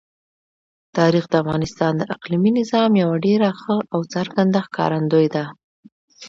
تاریخ د افغانستان د اقلیمي نظام یوه ډېره ښه او څرګنده ښکارندوی ده.